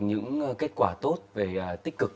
những kết quả tốt về tích cực